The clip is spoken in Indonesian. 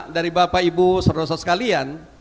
dari bapak ibu serdosa sekalian